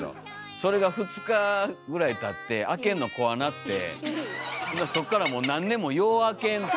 それが２日ぐらいたって開けんの怖なってそっからもう何年もよう開けんと。